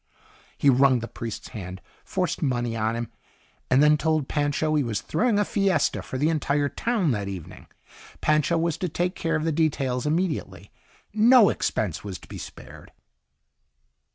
He wrung the priest's hand, forced money on him, and then told Pancho he was throwing a fiesta for the entire town that evening. Pancho was to take care of the details immediately. No expense was to be spared.